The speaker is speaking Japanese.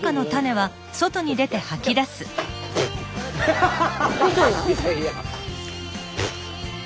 ハハハハ！